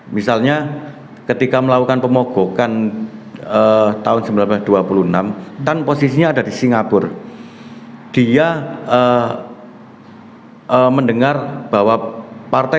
misalnya ketika melakukan pemogokan tahun seribu sembilan ratus dua puluh enam kan posisinya ada di singapura dia mendengar bahwa partai